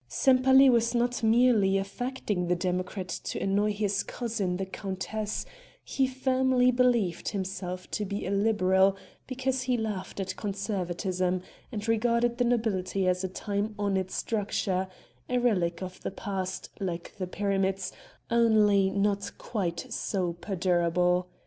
Sempaly was not merely affecting the democrat to annoy his cousin the countess; he firmly believed himself to be a liberal because he laughed at conservatism, and regarded the nobility as a time honored structure a relic of the past, like the pyramids, only not quite so perdurable.